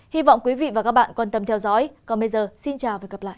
hy vọng quý vị và các bạn quan tâm theo dõi còn bây giờ xin chào và hẹn gặp lại